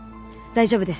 大丈夫です。